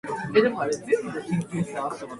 私は今日本語を話しています。